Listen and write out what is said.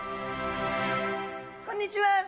こんにちは。